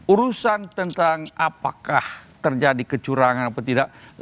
urusan tentang apakah terjadi kecurangan atau tidak